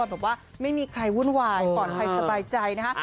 แบบว่าไม่มีใครวุ่นวายปลอดภัยสบายใจนะฮะ